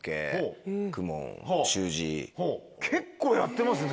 結構やってますね。